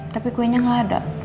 tapi kuenya gaada